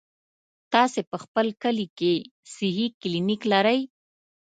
تاسې په خپل کلي کې صحي کلينيک لرئ؟